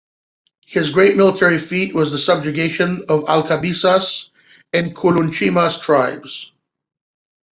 His great military feat was the subjugation of Alcabisas and Culunchimas tribes.